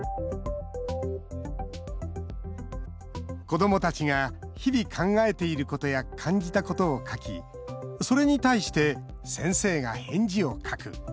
子どもたちが日々、考えていることや感じたことを書きそれに対して先生が返事を書く。